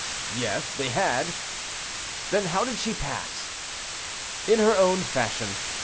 "Yes, they had." "Then, how did she pass." "In her own fashion.